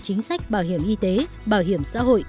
chính sách bảo hiểm y tế bảo hiểm xã hội